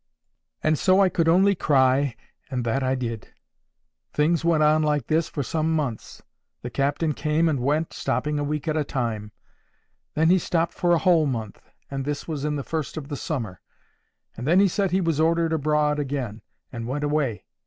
And so I could only cry, and that I did. Things went on like this for some months. The captain came and went, stopping a week at a time. Then he stopped for a whole month, and this was in the first of the summer; and then he said he was ordered abroad again, and went away.